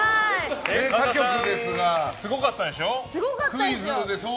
多局ですがすごかったんでしょう。